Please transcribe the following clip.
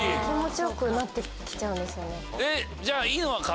気持ちよくなって来ちゃうんですよね。